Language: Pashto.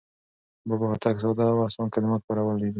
بابا هوتک ساده او اسان کلمات کارولي دي.